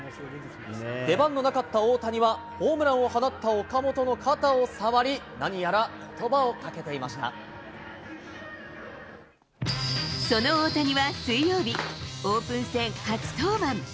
出番のなかった大谷はホームランを放った岡本の肩を触り、何やらその大谷は水曜日、オープン戦初登板。